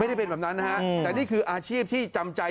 ได้เป็นแบบนั้นนะฮะแต่นี่คืออาชีพที่จำใจ